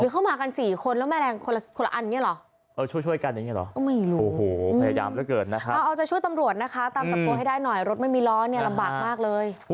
หรือเข้ามากัน๔คนแล้วแมลงคนละอย่างเนี่ยเหรอ